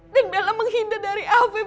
dan bella menghinda dari afif